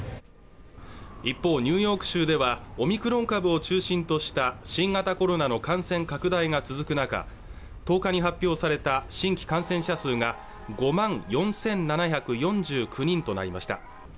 一方ニューヨーク州ではオミクロン株を中心とした新型コロナの感染拡大が続く中１０日に発表された新規感染者数が５万４７４９人となりました